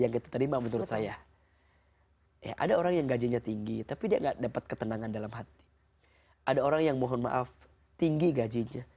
yang diterima menurut saya ya ada orang yang gajinya tinggi tapi dia nggak dapat ketenangan dalam hati